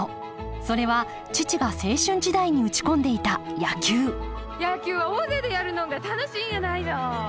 それは父が青春時代に打ち込んでいた野球野球は大勢でやるのんが楽しいんやないの。